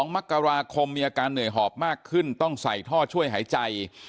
๒มกราคมมีอาการเหนื่อยหอบมากขึ้นต้องใส่ท่อช่วยหายใจ